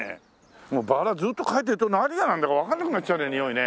もうバラずっと嗅いでると何がなんだかわかんなくなっちゃうねにおいね。